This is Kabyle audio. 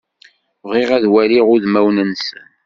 Bɣiɣ ad waliɣ udmawen-nsen.